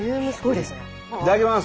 いただきます！